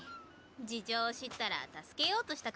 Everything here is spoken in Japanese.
事情を知ったら助けようとしたかもね。